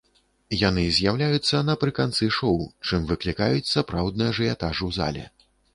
Яны з'яўляюцца напрыканцы шоў, чым выклікаюць сапраўдны ажыятаж у зале.